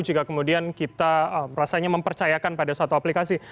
jika kemudian kita rasanya mempercayakan pada satu aplikasi